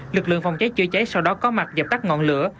lực lượng phòng cháy chữa cháy sau đó có mặt dập tắt ngọn lửa